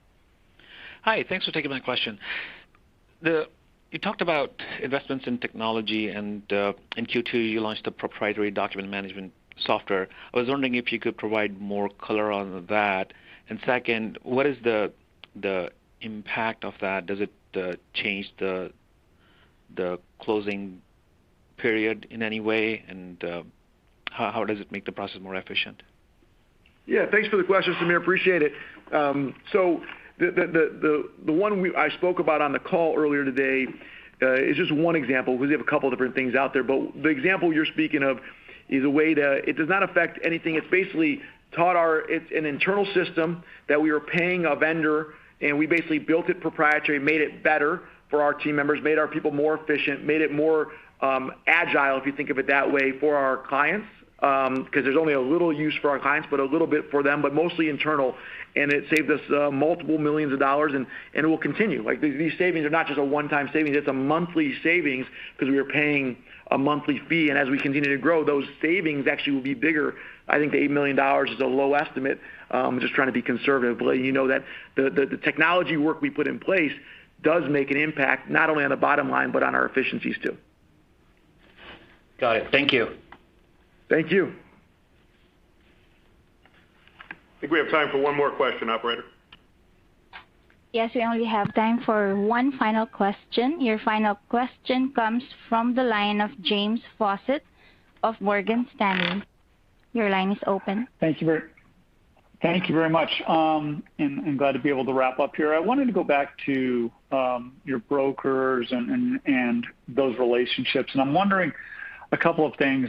Hi. Thanks for taking my question. You talked about investments in technology. In Q2, you launched a proprietary document management software. I was wondering if you could provide more color on that. Second, what is the impact of that? Does it change the closing period in any way? How does it make the process more efficient? Yeah. Thanks for the question, Ashish Sabadra. Appreciate it. The one I spoke about on the call earlier today, is just one example because we have a couple different things out there. The example you're speaking of is a way it does not affect anything. It's an internal system that we were paying a vendor, and we basically built it proprietary, made it better for our team members, made our people more efficient, made it more agile, if you think of it that way, for our clients. Because there's only a little use for our clients, but a little bit for them, but mostly internal, and it saved us multiple millions of dollars, and it will continue. These savings are not just a one-time savings, it's a monthly savings because we are paying a monthly fee. As we continue to grow, those savings actually will be bigger. I think the $8 million is a low estimate. I'm just trying to be conservative. You know that the technology work we put in place does make an impact, not only on the bottom line, but on our efficiencies, too. Got it. Thank you. Thank you. I think we have time for one more question, Operator. Yes, we only have time for one final question. Your final question comes from the line of James Faucette of Morgan Stanley. Your line is open. Thank you very much. I'm glad to be able to wrap up here. I wanted to go back to your brokers and those relationships, and I'm wondering a couple of things.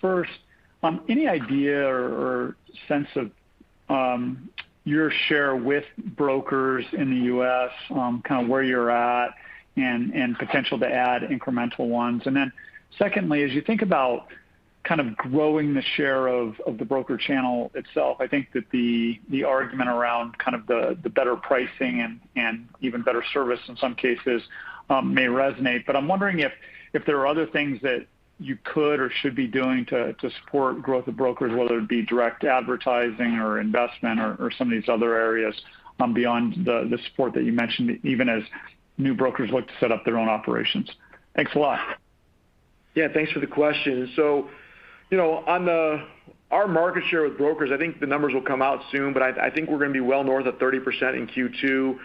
First, any idea or sense of your share with brokers in the U.S., kind of where you're at and potential to add incremental ones? Secondly, as you think about kind of growing the share of the broker channel itself, I think that the argument around kind of the better pricing and even better service in some cases may resonate. I'm wondering if there are other things that you could or should be doing to support growth of brokers, whether it be direct advertising or investment or some of these other areas beyond the support that you mentioned, even as new brokers look to set up their own operations. Thanks a lot. Thanks for the question. On our market share with brokers, I think the numbers will come out soon, but I think we're going to be well north of 30% in Q2.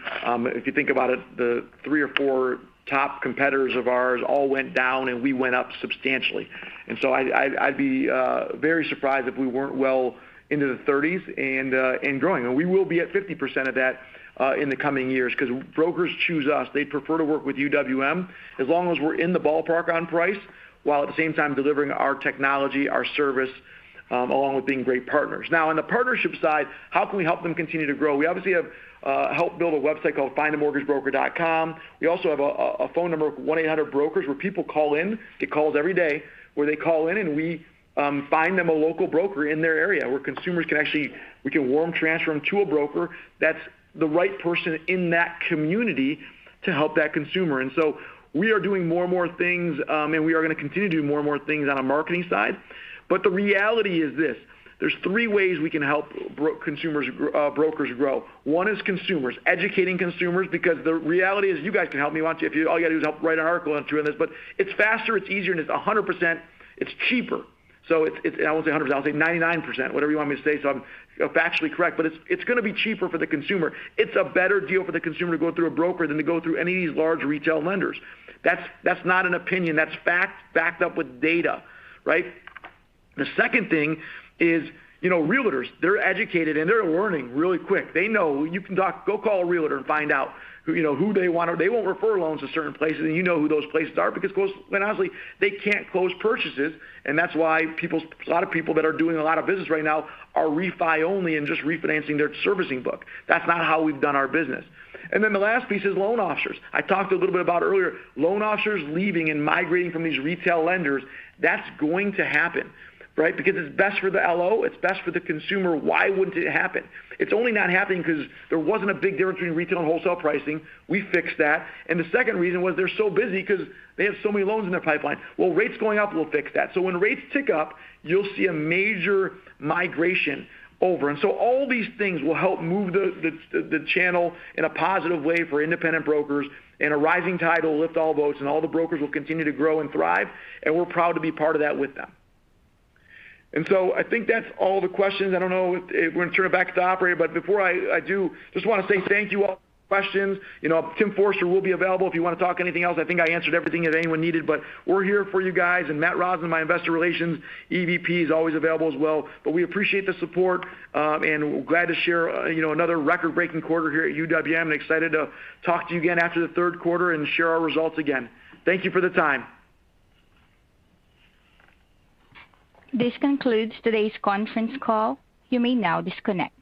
If you think about it, the three or four top competitors of ours all went down, and we went up substantially. I'd be very surprised if we weren't well into the 30s and growing. We will be at 50% of that in the coming years because brokers choose us. They prefer to work with UWM as long as we're in the ballpark on price, while at the same time delivering our technology, our service, along with being great partners. Now, on the partnership side, how can we help them continue to grow? We obviously have helped build a website called findamortgagebroker.com. We also have a phone number of 1-800-BROKERS where people call in. Get calls every day where they call in, and we find them a local broker in their area where we can warm transfer them to a broker that's the right person in that community to help that consumer. We are doing more and more things, and we are going to continue to do more and more things on a marketing side. The reality is this. There's three ways we can help brokers grow. One is consumers. Educating consumers because the reality is you guys can help me, won't you? All you got to do is help write an article on doing this. It's faster, it's easier, and it's 100%, it's cheaper. I won't say 100%, I'll say 99%, whatever you want me to say so I'm factually correct, but it's going to be cheaper for the consumer. It's a better deal for the consumer to go through a broker than to go through any of these large retail lenders. That's not an opinion, that's facts backed up with data. Right? The second thing is realtors. They're educated, and they're learning really quick. They know you can go call a realtor and find out who they want, or they won't refer loans to certain places, and you know who those places are because when honestly, they can't close purchases. That's why a lot of people that are doing a lot of business right now are refi only and just refinancing their servicing book. That's not how we've done our business. The last piece is loan officers. I talked a little bit about it earlier. Loan officers leaving and migrating from these retail lenders, that's going to happen. Right? Because it's best for the Loan Officer, it's best for the consumer. Why wouldn't it happen? It's only not happening because there wasn't a big difference between retail and wholesale pricing. We fixed that. The second reason was they're so busy because they have so many loans in their pipeline. Well, rates going up will fix that. When rates tick up, you'll see a major migration over. All these things will help move the channel in a positive way for independent brokers, and a rising tide will lift all boats, and all the brokers will continue to grow and thrive, and we're proud to be part of that with them. I think that's all the questions. I don't know. We're going to turn it back to the operator, but before I do, just want to say thank you all for the questions. Tim Forrester will be available if you want to talk anything else. I think I answered everything that anyone needed. We're here for you guys. Matt Roslin, my investor relations EVP, is always available as well. We appreciate the support, and we're glad to share another record-breaking quarter here at UWM, and excited to talk to you again after the third quarter and share our results again. Thank you for the time. This concludes today's conference call. You may now disconnect.